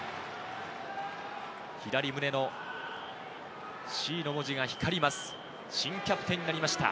左胸の「Ｃ」の文字が光ります、新キャプテンになりました。